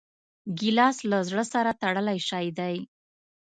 ګیلاس له زړه سره تړلی شی دی.